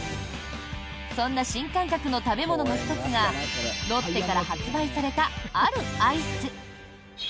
そんな新感覚の食べ物の１つがロッテから発売されたあるアイス。